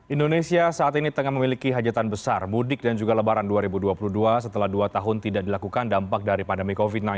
indonesia saat ini tengah memiliki hajatan besar mudik dan juga lebaran dua ribu dua puluh dua setelah dua tahun tidak dilakukan dampak dari pandemi covid sembilan belas